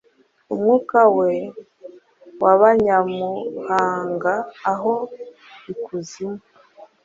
Umwuka we wabanyamahangaaho ikuzimu